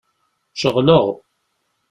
Ceɣleɣ.